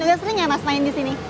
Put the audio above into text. agak sering ya mas main di sini